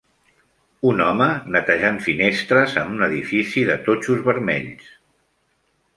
Un home netejant finestres en un edifici de totxos vermells.